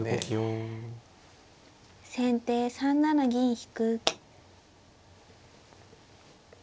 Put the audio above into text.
先手３七銀引。